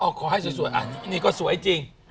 ขอให้สวยอันนี้ก็สวยจริง